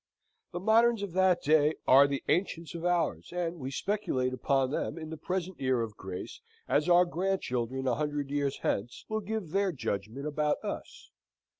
The moderns of that day are the ancients of ours, and we speculate upon them in the present year of grace, as our grandchildren, a hundred years hence, will give their judgment about us.